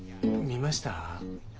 見ました。